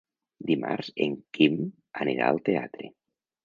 Dimarts en Quim anirà al teatre.